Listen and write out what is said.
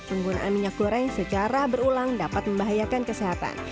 penggunaan minyak goreng secara berulang dapat membahayakan kesehatan